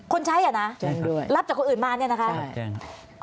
คนใช้อ่ะนะรับจากคนอื่นมาเนี่ยนะคะแจ้งด้วย